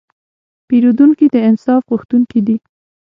پیرودونکی د انصاف غوښتونکی دی.